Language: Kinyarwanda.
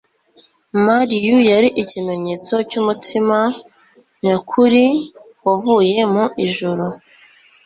Mariu yari ikimenyetso cy'umutsima nyakuri wavuye mu ijuru.